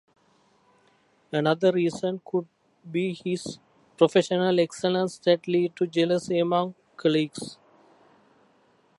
Another reason could be his professional excellence that lead to jealousy among colleagues.